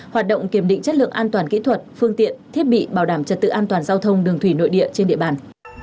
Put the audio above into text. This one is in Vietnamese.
hoạt động kiểm định chất lượng an toàn kỹ thuật phương tiện thiết bị bảo đảm trật tự an toàn giao thông đường thủy nội địa trên địa bàn